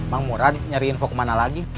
bang murad nyari info kemana lagi